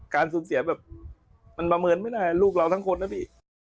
การสูญเสียแบบมันประเมินไม่ได้ลูกเราทั้งคนนะพี่